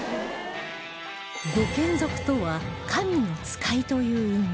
御眷属とは神の使いという意味